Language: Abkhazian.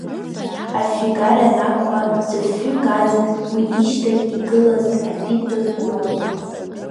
Афҩыгара анакәха, зыфҩы газ, уи ишьҭахь игылаз атәитәых иоуп.